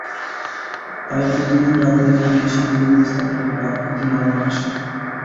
তাই প্রতিদিন রাতে এখানে দেশের বিভিন্ন স্থান থেকে ট্রাকভর্তি মালামাল আসে।